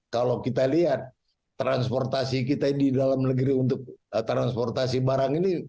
kalau kita lihat transportasi kita di dalam negeri untuk transportasi barang ini